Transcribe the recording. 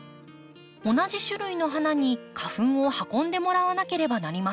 同じ種類の花に花粉を運んでもらわなければなりません。